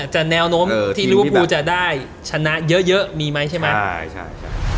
จะแนวโน้มที่รู้ว่าพูดจะได้ชนะเยอะมีไหมใช่ไหม